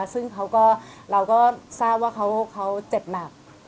ซึ่งเราก็ทราบว่าเขาเจ็บหนัก